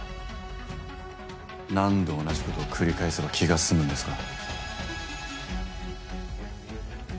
何度同じことを繰り返せば気が済むんですか？